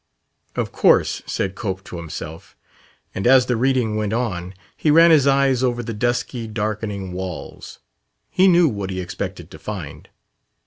"Of course," said Cope to himself. And as the reading went on, he ran his eyes over the dusky, darkening walls. He knew what he expected to find.